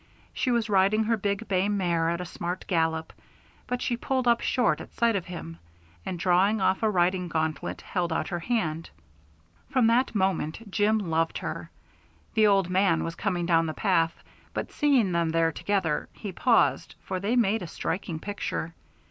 She was riding her big bay mare at a smart gallop, but she pulled up short at sight of him, and drawing off a riding gauntlet held out her hand. From that moment Jim loved her. The old man was coming down the path, but seeing them there together, he paused, for they made a striking picture.